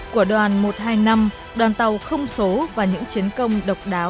của đoàn một trăm hai mươi năm đoàn tàu không số và những chiến công độc đáo